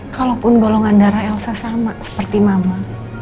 kalaupun golongan darah elsa sama seperti mama